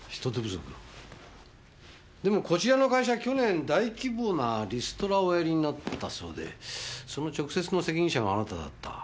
でもこちらの会社去年大規模なリストラをおやりになったそうでその直接の責任者があなただった。